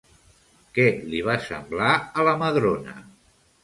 Què li va semblar a la Madrona?